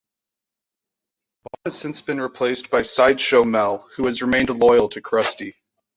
Bob has since been replaced by Sideshow Mel, who has remained loyal to Krusty.